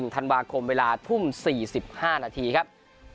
ธันวาคมเวลาทุ่ม๔๕นาทีครับ